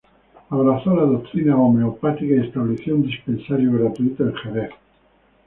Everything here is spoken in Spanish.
Abrazó la doctrina homeopática y estableció un dispensario gratuito en Jerez.